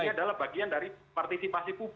jadi adalah bagian dari partisipasi